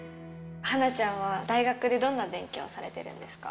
はなちゃんは大学でどんな勉強をされてるんですか。